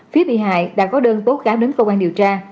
phía bị hại đã có đơn tố cáo đến cơ quan điều tra